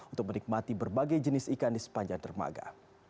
untuk menikmati berbagai jenis ikan di sepanjang dermaga